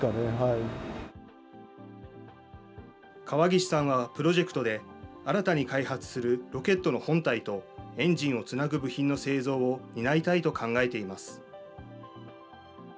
川岸さんはプロジェクトで、新たに開発するロケットの本体とエンジンをつなぐ部品の製造を担いたいと考えています。